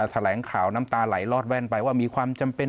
แถลงข่าวน้ำตาไหลลอดแว่นไปว่ามีความจำเป็น